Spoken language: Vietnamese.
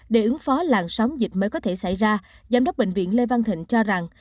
để ứng phó làn sóng dịch mới có thể xảy ra giám đốc bệnh viện lê văn thịnh cho rằng